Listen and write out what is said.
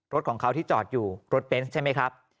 รถของเขาที่จอดอยู่รถเบนส์ใช่ไหมครับ